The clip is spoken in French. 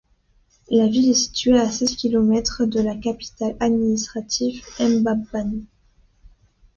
La ville est située à seize kilomètres de la capitale administrative, Mbabane.